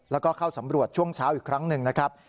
แล้วก็เข้าสำรวจช่วงเช้าอีกครั้งหนึ่งนะครับ